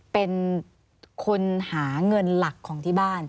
เป็นคนหาเงินหลักของที่บ้าน